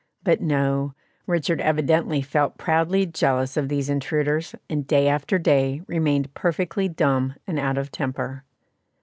But no; Richard evidently felt profoundly jealous of these intruders, and day after day remained perfectly dumb and out of temper.